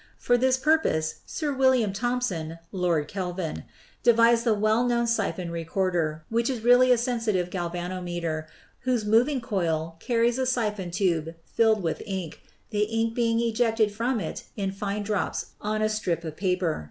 For this purpose Sir William Thomson, Lord Kelvin, devised the well known siphon recorder, which is really a sensitive galvanometer whose moving coil carries a siphon tube filled with ink, the ink being ejected from it in fine drops on a strip of paper.